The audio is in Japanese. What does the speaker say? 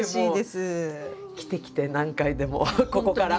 来て来て何回でもここから。